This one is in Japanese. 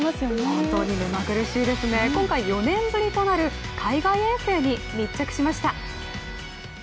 本当に目まぐるしいですね、今回４年ぶりとなる海外遠征に密着しました。